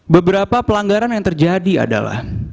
beberapa pelanggaran yang terjadi adalah